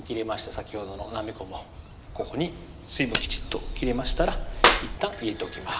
先ほどのなめこもここに水分きちっと切れましたらいったん入れておきます